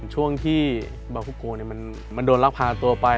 ช่วงที่บาฮุโกเนี้ยมันมันโดนรักภาคตัวไป